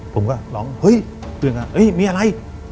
ผมก็ร้องเฮ้ยตื่นมาเอ้ยมีอะไร